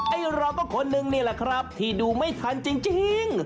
ไอ้เราก็คนนึงนี่แหละครับที่ดูไม่ทันจริง